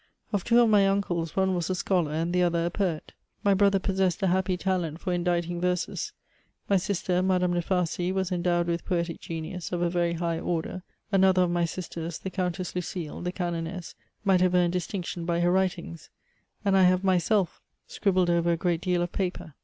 Of two of my uncles, one was a scholar and the other a poet. My brother possessed a happy talent for inditing verses ; my sister, Madame de Farcy, was endowed with poetic genius of a very high order ; another of my sisters, the Countess Lucile (the Canoness), might have earned distinction by her writings : and I have myself scribbled over a great deal of paper.